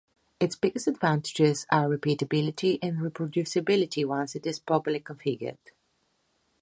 Its biggest advantages are repeatability and reproducibility once it is properly configured.